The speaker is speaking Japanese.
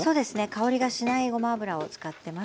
香りがしないごま油を使ってます。